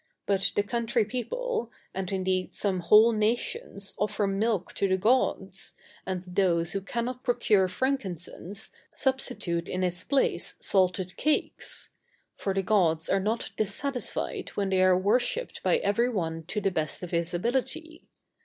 But the country people, and, indeed, some whole nations offer milk to the Gods, and those who cannot procure frankincense substitute in its place salted cakes; for the Gods are not dissatisfied when they are worshipped by every one to the best of his ability.